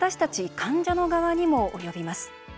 患者の側にも及びます。